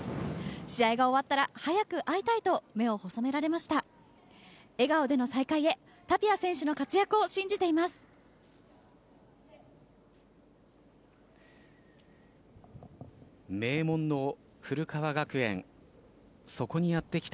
試合が終わったら早く会いたいと目を細められました。